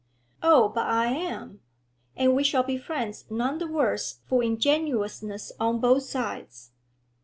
'Oh, but I am; and we shall be friends none the worse for ingenuousness on both sides.